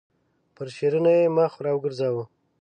پر شیرینو یې مخ راوګرځاوه.